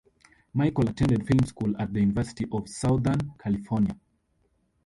Michael attended film school at the University of Southern California.